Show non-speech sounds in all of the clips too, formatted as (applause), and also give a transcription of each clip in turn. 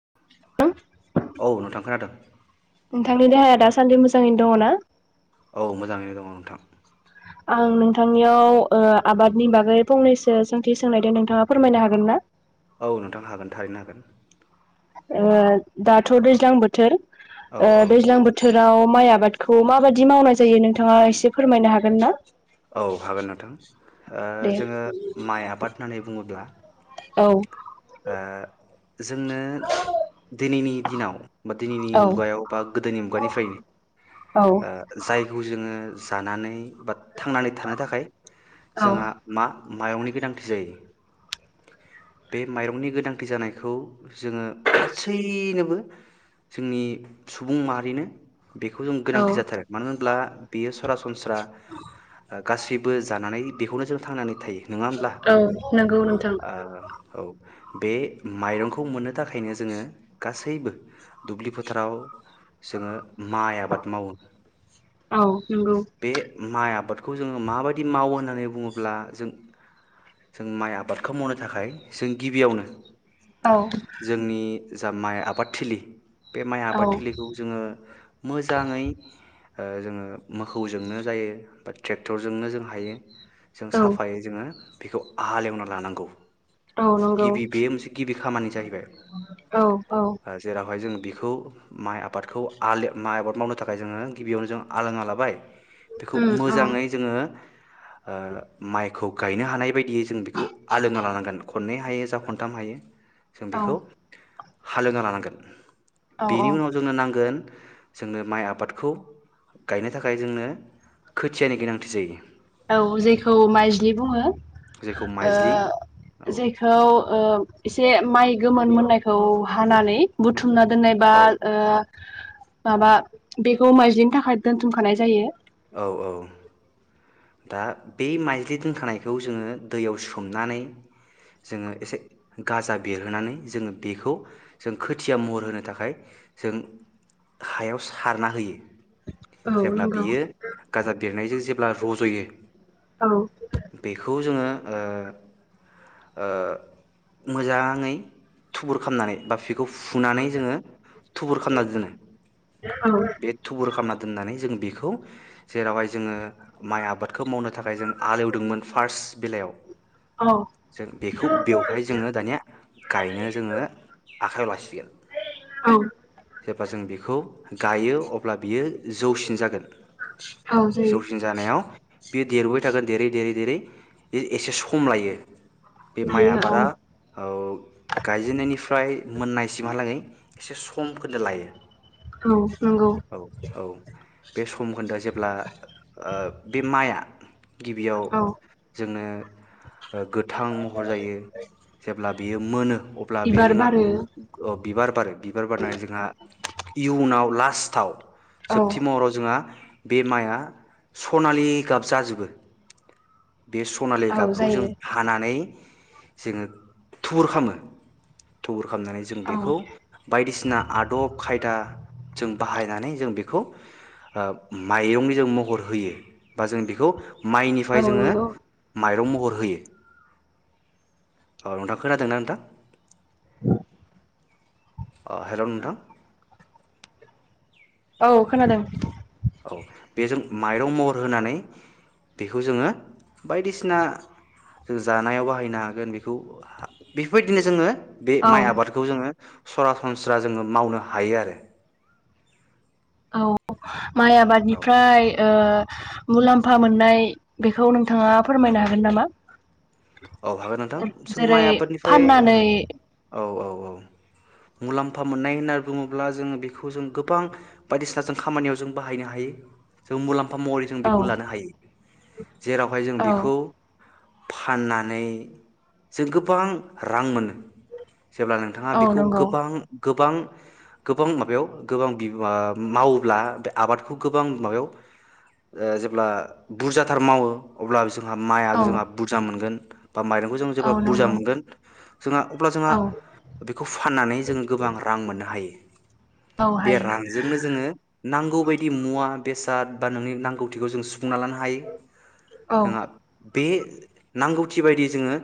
(unintelligible) औ नोंथां खोनादों। नोंथांनि देहाया दासान्दि मोजाङैनो दङ ना? औ मोजाङैनो दङ नोंथां। आं नोंथांनियाव ओ आबादनि बागै फंनैसो सोंथि सोंनायदों नोंथाङा फोरमायनो हागोन ना? औ नोंथां हागोन थारैनो हागोन। ओ दाथ' दैज्लां बोथोर औ ओ औ दैज्लां बोथोर राव माइ आबादखौ माबायदि मावनाय जायो नोंथाङा एसे फोरमायनो हागोन ना? औ हागोन नोंथां ओ दे जोङो माइ आबाद होननानै बुङोब्ला औ ओ। जोंनो दिनैनि दिनाव बा दिनैनि औ मुगायाव बा गोदोनि मुगानिफ्रायनो औ ओ जायखौ जोङो जानानै बा थांनानै थानो थाखाय औ जोंहा मा माइरंनि गोनांथि जायो। बे माइरंनि गोनांथि जानायखौ जोङो गासैनोबो जोंनि सुबुं माहारिनो बेखौ जों औ गोनांथि जाथारो मानो होनब्ला बेयो सरासनस्रा गासैबो जानानै बेखौनो जों थांनानै थायो। औ नोंगौ नोंथां। आ औ। बे माइरंखौ मोननो थाखायनो जोङो गासैबो दुब्लि फोथाराव जोङो माइ आबाद मावो औ नंगौ बे माइ आबाद बेखौ जोङो माबायदि मावो होननानै बुङोब्ला जों जों माइ आबाद खौ मावनो थाखाय जों गिबियावनो औ जोंनि जा माइ आबादथिलि बे माइ औ आबाद थिलिखौ जोङो मोजाङै जोङो मोसौजोंनो जायो बा ट्रेक्टरजोंनो जों हायो जों औ साफायै जोङो बेखौ हलेवना लानां गौ औ नंगौ गिबि बे मोनसे गिबि खामानि जाहैबाय औ औ ओ जेरावहाय जों बेखौ माइ आबादखौ आलि माइ आबाद मावनो थाखाय जोङो गिबियावनो जों आलाङा लाबाय बेखौ उम औ मोजाङै जोङो ओ माइखौ गायनो हानाय बायदियै जों बेखौ आलोंना लानांगोन खननै हायो जा खनथाम हायो। जों औ बेखौ हालेवना लानांगोन औ बेनि उनाव जोंनो नांगोन जोंनो माइ आबादखौ गायनो थाखाय जोंनो खोथियानि गोनांथि जायो। औ जेखौ माइज्लि बुङो जेखौ ओ माइज्लि औ जेखौ ओ एसे माइ गोमोन मोननायखौ हानानै बुथु मना दोननायबा औ ओ माबा बेखौ माइज्लिनि थाखाय दोन्थुमखानाय जायो। औ औ दा बे माइज्लि दोनखानायखौ जोङो दैयाव सोमनानै जोङो एसे गाजा बेरहोनानै जोङो बेखौ जों खोथिया महर होनो थाखाय जों हायाव सारना होयो। औ जेब्ला नंगौ। बियो गाजा बेरनायजों जेब्ला रज'यो औ औ बेखौ जोङो ओ ओ मोजाङै थुबुर खालामनानै बा बिखौ फुनानै जोङो थुबुर खालामनानै दोनो औ बे थुबुर खालामना दोननानै जों बेखौ जेरावहाय जोङो माइ आबादखौ मावनो थाखाय जों आलेवदोंमोन फार्स्ट बेलायाव औ जों बेखौ बेवहाय जोङो दानिया गायनो जोङो आखाइयाव लासिगोन औ जेब्ला जों बेखौ गायो अब्ला बियो जौसिन जागोन। औ जायो। बेयो देरबोबाय थागोन देरै देरै देरै एसे सम लायो। बे माइ लायो औ आबादा ओ गायजेननायनिफ्राय मोननायसिमहालागै एसे स समखौनो लायो। औ नंगौ औ औ बे समखोन्दोआ जे ब्ला ओ बे माइआ गिबियाव औ जोंनो ओ गोथां महर जायो जेब्ला बेयो मोनो अब्ला बेयो बिबार जोंहा बारो बिबार बारो बिबार बारनानै जोंहा इयुनाव लास्टाव औ जोबथि महराव जोंहा बे माइआ सनालि गाब जाजोबो। बे सनालि औ गाबखौ जों जायो हानानै जोङो थुर खालामो थुर खालामनानै जों औ बेखौ बायदिसिना आदब खायदा जों बाहाय नानै जों बेखौ ओ माइरं जों महर होयो बा जों बेखौ माइनिफ्राय औ जोङो नंगौ माइरं म हर होयो औ नोंथां खोनादोंना नोंथां? अ हेलौ नोंथां। औ खोनादों। औ बेजों माइरं महर होनानै बेखौ जोङो बायदिसिना जानायाव बाहायनो हागोन बेखौ बेफोरबायदिनो जोङो बे औ माइ आबादखौ जोङो सरासनस्रा जोङो मावनो हायो आरो। औ माइ आबादनिफ्राय ओ मुलाम्फा मोननाय बेखौ नोंथाङा फोरमायनो हागोन नामा? औ हागोन नोंथां जों जेरै माइ आबादनिफ्राय उम फाननानै औ औ औ मुलाम्फा मोननाय होनना बुङोब्ला जोङो बेखौ जों गोबां बायदिसिना जों खामानियाव जों बाहायनो हायो जों मुलाम फा महरै जों औ बेखौ लानो हायो। जेरावहाय जों औ बेखौ फानना नै जों गोबां रां मोनो। जेब्ला नोंथाङा औ बेखौ नंगौ गोबां गोबां गोबां माबायाव गोबां बिबां ओ मावोब्ला बे आबादखौ गोबां माबायाव ओ जेब्ला बुरजाथार मावो अब्ला जों हा माइआ औ जोंहा बुरजा मोनगोन। बा माइरंखौ जों औ जेब्ला बुरजा नंगौ मोनगोन जोंहा अब्ला जोंहा औ बेखौ फाननानै जोंङो गोबां रां मोननो हायो। औ बे हायो रांजोंनो जोङो नांगौ बायदि मुवा बेसाद बा नोंनि नांगौथिखौ जों सु बुंना लानो हायो औ जोंहा ओ बे नांगौ थि बायदि जोङो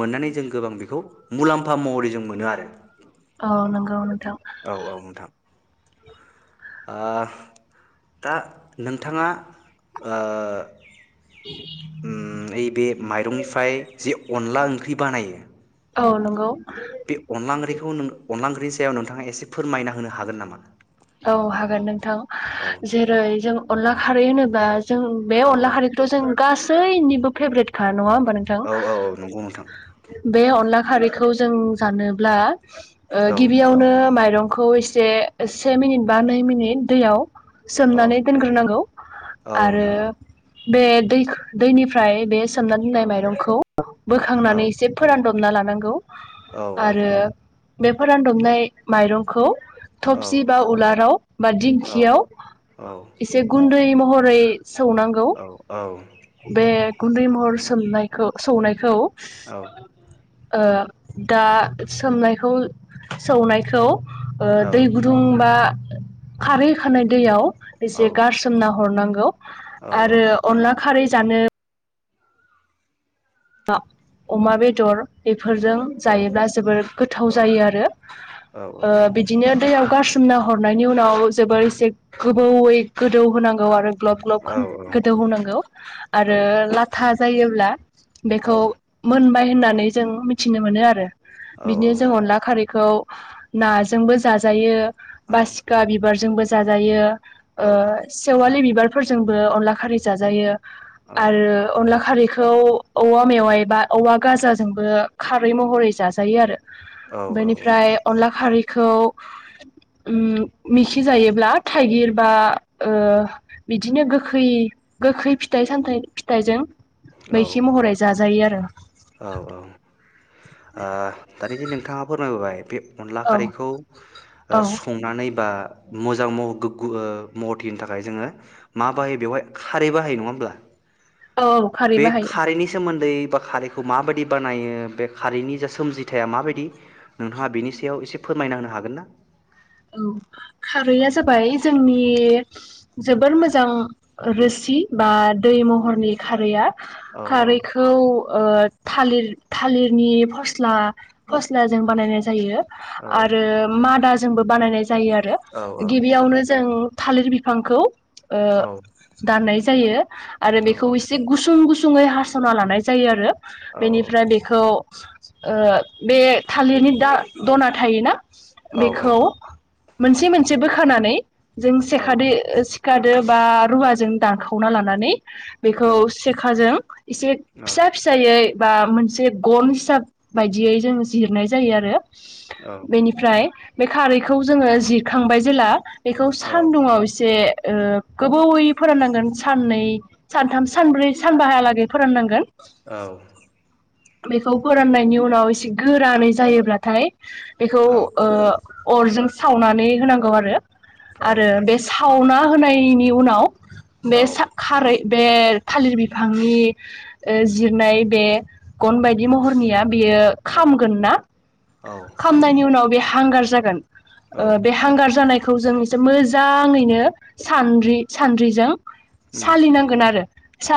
मोननानै जों गोबां बेखौ मुलाम्फा महरै जों मोनो आरो औ नोंगौ नोंथां औ औ नोंथां ओ दा नोंथाङा ओ ओम नैबे माइरं जे अन्ला ओंख्रि बानायो औ नंगौ बे अन्ला ओंख्रिखौ नों अन्ला ओंख्रि बेनि सायाव नोंथाङा एसे फोरमायना होनो हागोन नामा? औ हागोन नोंथां औ जेरै जों अनला खारै होनो बा जों बे औ अन्ला खारिथ' जों गासैनिबो फेभ्रेटखा नङा नोंथां औ औ औ नंगौ नोंथां बे अन्ला खारै खौ जों जानोब्ला ओ औ गिबियावनो माइरं खौ एसे से मिनिट बा नै मिनिट दैयाव औ सोमनानै दोनग्रोनांगौ औ आरो नोंथां औ बे दैख दैनिफ्राय बे औ सोमनना माइरंखौ औ बोखांनानै एसे फोरानद हमना लानांगौ औ आरो बेफोर रानदबनाय माइरंखौ थबसि औ बा उलाराव बा औ दिंखियाव औ एसे गुन उन्दै महरै सौनांगौ औ बे गुन्दै महर सोमनायखौ सौनायखौ औ ओ दा सोमनायखौ सौनायखौ ओ दै बा खारै होखानाय दैयाव औ एसे गारसनना हरनांगौ औ औ आरो अनला खारै जानो अम बेदर ए बेफोरजों औ जायोब्ला जोबोर गोथाव औ जायो आरो औ बिदिनो दैयाव गारसोमना हरनायनि उनाव जोबोर एसे गोबौयै गोदौ होनांगौ आरो ग्लब औ ग्लब गोदौ होननांगौ औ आरो लाथा जायोब्ला (inaudible) बेखौ मोनबाय होननानै जों मिथिनो मोनो आरो औ औ बिदिनो जों अनला खारै खौ नाजोंबो जाजायो औ बासिखा बिबारजोंबो जाजायो ओ सेवलि बि बिबारफोरजोंबो अनला खारै जाजायो आरो अनला खारिखौ खौ औवा मेवाय एबा औवा गाजाजोंबो खारै महरै जाजायो आरो औ बेनिफ्राय अनला खारै खौ मिखिजायोब्ला थाइगिर बा बिदिनो गोैखै गोखै फिथाइ सामथाइ फिथाइजों औ मैखि महरै जाजायो आरो दानि जे नोंथाङा फोरमायबोबाय बे अनला औ खारैखौ औ संनानै बा मोजांह गोग्ग महथिनि थाखाय जोङो मा बाहायो बेवहाय खारै बाहायो नङा होमब्ला औ औ खारै बे बाहायो खारैनि सोमोन्दै ा खारैखौ माबायदि बानायो बे खारैनि जा सोमजिथाया माबायदि नोंथाङा बेनि सायाव एसे फोरमायनांनो हागोन ना औ खारैया औ जाबाय जों आंनि जोबोर मोजां रोसि बा दै महरनि खारैया औ औ खारैखौ थालिर थालिरनि फस्ला फस्लाजों बानायनाय जायो आरो मा दास जोंबो बानायनाय जायो आरो औ गिबियावनो जों। थालिर बिफांखौ दाननाय। जायो। आरो औ बेखौ एसे गुसुं गुसुं। ुङै हास'ना लानाय जायो आरो। औ औ बेनिफ्राय बेखौ बे थालिरनि द दना थायोना? औ बेखौ खौ मोनसे मोनसे बो खानानै। जों औ सेखाद गादो बा रुवाजों दानाखावना लानानै। बेखौ सेखाजों एसे औ फिसा फिसायै। बा मोनसे गन हिसाब बायदियै जों जिरनाय जायो आरो। बेनिफ्राय बे खारैखौ जोङो जखांबाय जेला। बेखौ औ सान्दुङआव एसे गोबावयै फोराननांगोन, साननै सानथाम सानब्रै सानबाहहालागै फोराननांगोन। औ। बेखौ फोराननायनि उनाव एसे गोरानै जायोब्लाथाय। बेखौ औ अ अरजों सावनानै होनांगौ आरो। आरो बे सावना होनायनि उनाव। औ बे स खारै बे थालिर बिफांनि जिरनाय बे गन बायदि महरनिया। बेयो खामगोन ना। औ खामनायनि उनाव बे हांगार जागोन। ओ बे हांगार जानाय बेखौ जों एसे मोजाङैनो सानद्रि सानद्रिजों उम सालिनांगोन आरो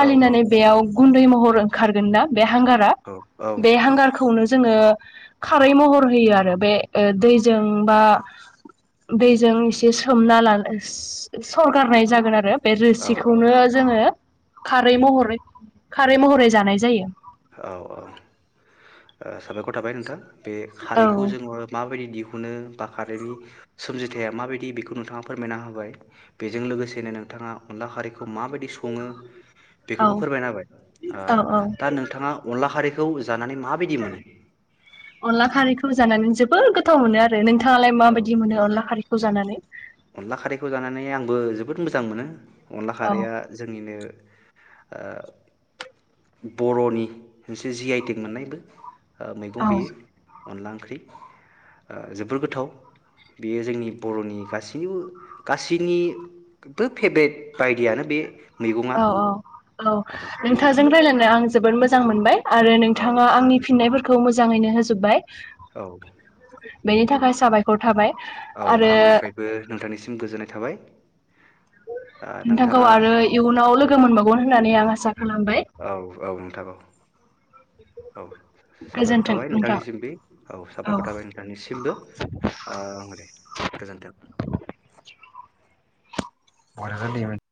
औ औ बेयाव गुन्दै महर ओंखारगोन ना? बे हांगारा औ औ बे हांगारखौनो ज जोङो खा फ्राय महर होयो आरो बे ओ दैजों बा दैजों एसे सोमना लानो सो सो सरगारनाय जागोन आरोब बे औ औ रोसिखौनो जोङो खारै महरै खारै महरै जानाय जायो। औ अ ओ साबायखर थाबाय नोंथां। बे औ खारैखौ जोङो माबायदि दिहुनो? बा खारैनि सोमजिथाया माबायदि बेखौ नोंथाङा फोरमायना होबाय बेजों लोगोसेनो नोंथाङा अनला खारिखौ माबायदि सङो औ बेखौबो फोरमायना होबाय ओ औ औ दा नों अनला खारिखौ ज जानानै माबायदि मोनो? अनला खारैखौ जानानै जोबोद गोथाव मोनो आरो नोंथ थाङालाय औ माबायदि मोनो अनला खारि? खौ जानानै अनला खारैखौ जानानै आंबो जोबोद मोजां मोनो। अनला औ खारैया जोंनिनो ओ बर'नि मोनसे जि आइ टिक मोननायबो। ओ मैगं औ बेयो। अनला ओंख्रि ओ जोबोर गोथाव बेयो जोंनि बर'नि गासैनिबो गासैनिबो फेभरेट बायदियानो बे मैगङा औ अ औ नोंथांजों रायलायना नाय आं जोबोद मोजां मोनबाय। आरो औ नोंथाङा आंनि फिननायफोर खौ मोजाङैनो होजोब्बाय। औ बेनि थाखाय साबायखर थाबाय। औ आरो आंनिफ्रायबो नोंथांनिसिम गोजोननाय थाबाय। ओ नोंथांखौ नोंथाङा आरो इयुनाव लोगो मोनबावगोन होननानै आं आसा खालामबाय औ औ नोंथां औ औ। साबायखर गोजोन्थों थाबाय नोंथां नोंथांनिसिमबि औ साबायखर थाबाय नोंथांनिसिमबो ओ दे गोजोनथों। बर'फोरनि मोन।